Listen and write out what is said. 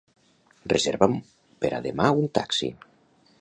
Reserva'm per a demà un taxi.